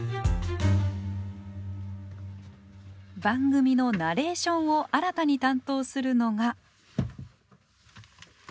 番組のナレーションを新たに担当するのが。